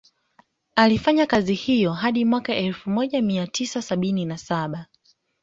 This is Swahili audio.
Alifanya kazi hiyo hadi mwaka elfu moja mia tisa sabini na saba